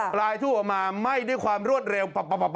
ปลายทู่ออกมาไหม้ด้วยความรวดเร็ว